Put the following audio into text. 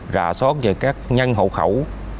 rà sót về các nhân hậu khẩu